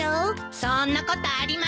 そんなことありません！